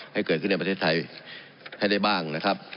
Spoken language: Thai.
ให้เกิดขึ้นในประเทศไทยให้ได้บ้างนะครับ